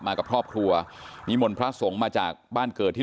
มากับครอบครัวมีหม่อนพระส่งมาจากบ้านเกิดที่